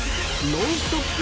ノンストップ！